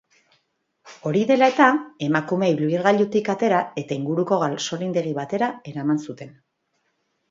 Hori dela eta, emakumea ibilgailutik atera eta inguruko gasolindegi batera eraman zuten.